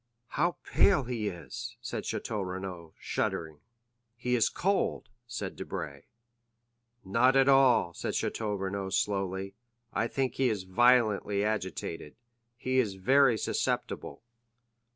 "How pale he is!" said Château Renaud, shuddering. "He is cold," said Debray. "Not at all," said Château Renaud, slowly; "I think he is violently agitated. He is very susceptible."